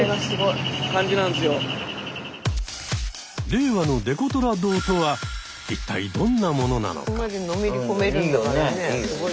令和のデコトラ道とは一体どんなものなのか。